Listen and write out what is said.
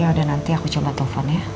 ya udah nanti aku coba telfon ya